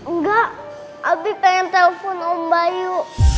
enggak abi pengen telpon om bayu